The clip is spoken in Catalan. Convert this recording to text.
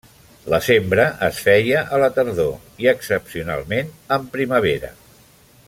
La sembra es feia a la tardor i excepcionalment en primavera.